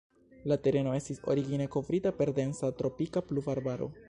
La tereno estis origine kovrita per densa tropika pluvarbaro.